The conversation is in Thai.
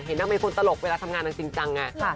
เห็นต้องเป็นคนตลกเวลาทำงานทางจริงจังไง